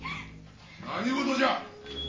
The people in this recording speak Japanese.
何事じゃ？